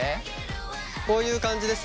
こういう感じですね。